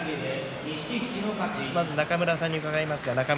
まず中村さんに伺います。